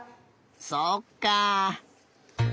そっか。